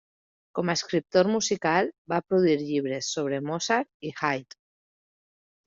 Com a escriptor musical, va produir llibres sobre Mozart i Haydn.